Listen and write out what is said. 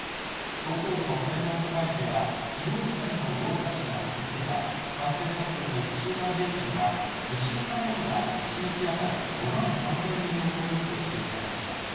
東京都の専門家会議では、きのう時点の増加比が続けば、感染者数の１週間平均は、２週間後には１日当たり５万３０００人を超えると指摘されました。